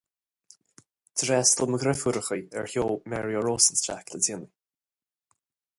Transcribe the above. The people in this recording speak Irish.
D'fhreastail mo dheirfiúracha ar sheó Mario Rosenstock le déanaí